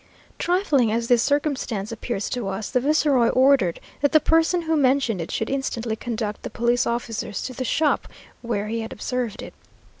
Trifling as this circumstance appears to us, the viceroy ordered that the person who mentioned it should instantly conduct the police officers to the shop where he had observed it.